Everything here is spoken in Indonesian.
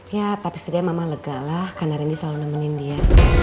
ya tapi setidaknya mama lega lah karena randy selalu nemenin dia